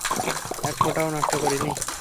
এক ফোঁটাও নষ্ট করনি।